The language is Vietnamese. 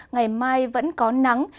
ngày mai vẫn có nắng